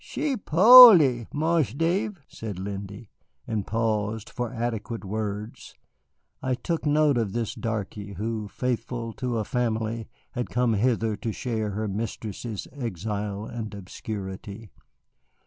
"She po'ly, Marse Dave," said Lindy, and paused for adequate words. I took note of this darky who, faithful to a family, had come hither to share her mistress's exile and obscurity.